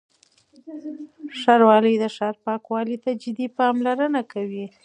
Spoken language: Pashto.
ښاروالۍ د ښار پاکوالي ته جدي پاملرنه کوي.